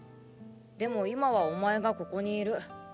でも今はお前がここにいる。